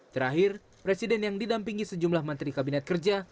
terakhir presiden yang didampingi sejumlah menteri kabinet kerja